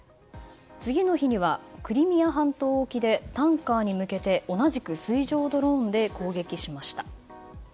次の日にはクリミア半島沖でタンカーに向けて同じく水上ドローンで攻撃しました。